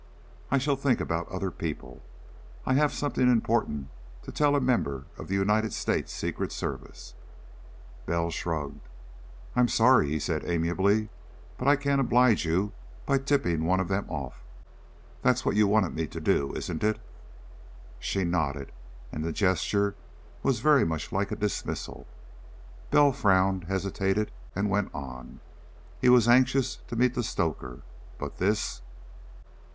I shall think about other people. I have something important to tell a member of the United States Secret Service." Bell shrugged. "I'm sorry," he said amiably, "that I can't oblige you by tipping one of them off. That's what you wanted me to do, isn't it?" She nodded, and the gesture was very much like a dismissal. Bell frowned, hesitated, and went on. He was anxious to meet the stoker, but this....